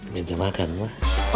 gajah makan mah